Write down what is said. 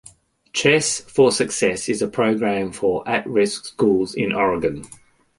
Chess for Success is a program for at-risk schools in Oregon.